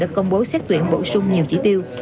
đã công bố xét tuyển bổ sung nhiều chỉ tiêu